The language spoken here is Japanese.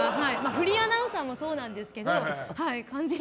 フリーアナウンサーもそうなんだ。